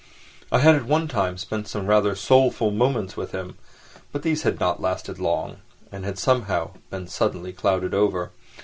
I had at one time spent some rather soulful moments with him, but these had not lasted long and had somehow been suddenly clouded over.